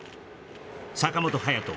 坂本勇人